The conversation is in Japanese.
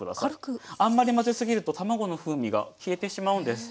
あんまり混ぜすぎると卵の風味が消えてしまうんです。